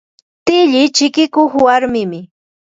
Tilli chikikuq warmimi.